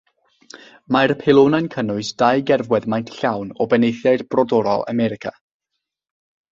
Mae'r peilonau'n cynnwys dau gerfwedd maint llawn o benaethiaid Brodorol America.